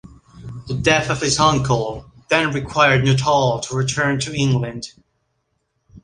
The death of his uncle then required Nuttall to return to England.